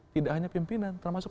tidak hanya pimpinan termasuk